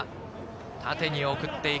縦に送っていく。